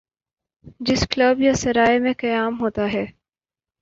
جس کلب یا سرائے میں قیام ہوتا ہے۔